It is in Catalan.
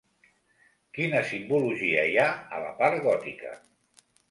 Quina simbologia hi ha a la part gòtica?